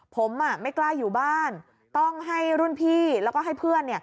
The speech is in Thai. ผมไม่กล้าอยู่บ้านต้องให้รุ่นพี่แล้วก็ให้เพื่อน